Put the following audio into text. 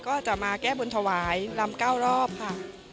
ก็จะมาแก้บนถวายลำ๙รอบค่ะ